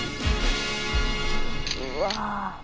うわ